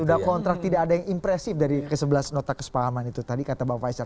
sudah kontrak tidak ada yang impresif dari sebelas nota kesepahaman itu tadi kata bang faisal